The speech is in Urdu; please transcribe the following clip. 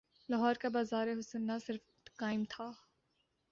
لاہور کا بازار حسن نہ صرف قائم تھا۔